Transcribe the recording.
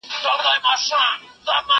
مرگ په ماړه نس خوند کوي.